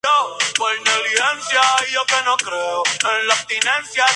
El Presidente de El Salvador era el General Tomás Regalado.